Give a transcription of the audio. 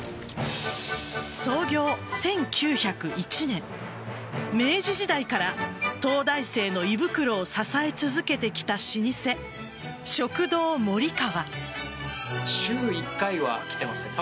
創業１９０１年明治時代から東大生の胃袋を支え続けてきた老舗食堂もり川。